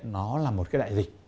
nó là một cái đại dịch